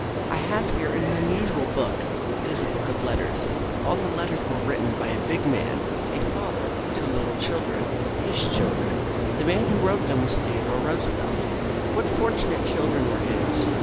I have here an unusual book. It is a book of letters. All the letters were written by a big man, a father, to little children, his children. The man who wrote them was Theodore Roosevelt. What fortunate children were his!